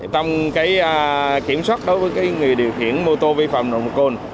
trong kiểm soát đối với người điều khiển mô tô vi phạm nồng độ cồn